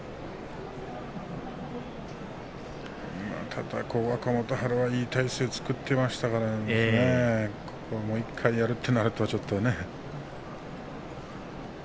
ただ、若元春はいい体勢を作ってましたからねもう１回やるとなるとちょっとね。